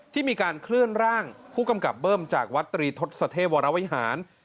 ที่มีการเคลื่อนร่างผู้กำกับเบิ้มจากวัดตรีทศเทพวรวิหาร